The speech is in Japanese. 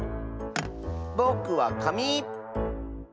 ぼくはかみ！